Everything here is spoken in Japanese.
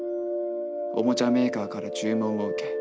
おもちゃメーカーから注文を受け